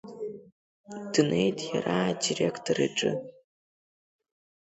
Днеит иара адиректор иҿы.